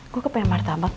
gue kepengen martabak deh